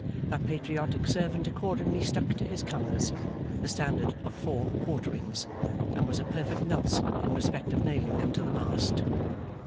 That patriotic servant accordingly stuck to his colours (the Standard of four Quarterings), and was a perfect Nelson in respect of nailing them to the mast.